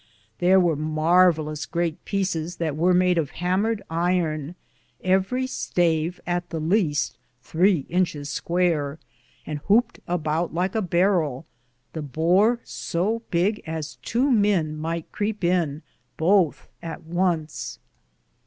Ther weare marvalus greate peecis that weare made of hamered Iron, everie stafe^ at the leaste 3 Inches square, and houped aboute lyke a barrell, the bore so bige as tow man myghte creep in bothe at once.